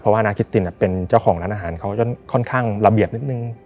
เพราะว่านาคิสตินเป็นเจ้าของร้านอาหารเขาจะค่อนข้างระเบียบนิดนึง